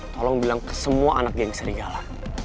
tolong bilang ke semua anak yang serigala